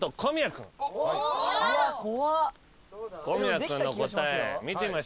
君の答え見てみましょう。